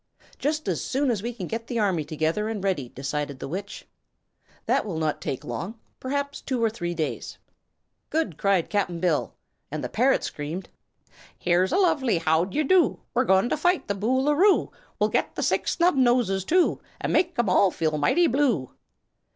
"Just as soon as we can get the army together and ready," decided the Witch. "That will not take long perhaps two or three days." "Good!" cried Cap'n Bill, and the parrot screamed: "Here's a lovely how d'y' do We're going to fight the Boo loo roo! We'll get the Six Snubnoses, too, And make'em all feel mighty blue."